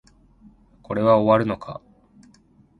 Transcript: これは終わるのか